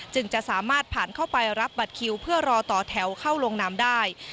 จึงจะสามารถผ่านเข้าไปรับบัตรคิวเพื่อรอต่อแถวเข้าลงนามได้